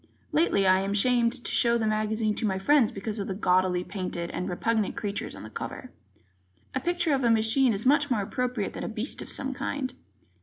Lately, I am ashamed to show the magazine to my friends because of the gaudily painted and repugnant creatures on the cover. A picture of a machine is much more appropriate than a beast of some kind.